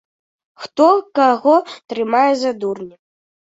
Хто каго трымае за дурня?